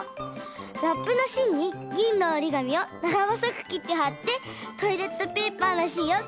ラップのしんにぎんのおりがみをながぼそくきってはってトイレットペーパーのしんをかぶせたよ。